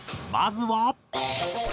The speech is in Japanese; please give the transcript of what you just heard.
まずは。